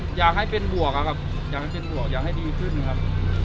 อยากให้เป็นบวกครับอยากให้เป็นบวกอยากให้ดีขึ้นครับ